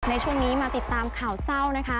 ในช่วงนี้มาติดตามข่าวเศร้านะคะ